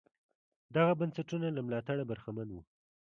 دغه بنسټونه له ملاتړه برخمن وو.